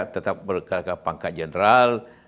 tetap berkata kata pangkat general